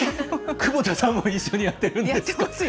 久保田さんも一緒にやってるんですか。